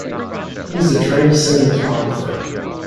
He is a trained Cinematographer.